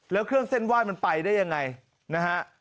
แล้วเครื่องเส้นไหว้มันไปได้ยังไงนะฮะ